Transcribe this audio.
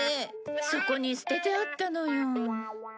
そこに捨ててあったのよ。